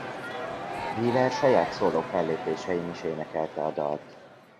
Wheeler saját szóló fellépésein is énekelte a dalt.